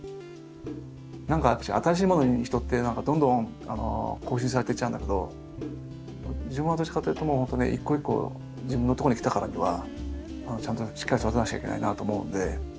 何か新しいものに人ってどんどん更新されていっちゃうんだけど自分はどっちかというともう本当に一個一個自分のとこに来たからにはちゃんとしっかり育てなくちゃいけないなと思うんで。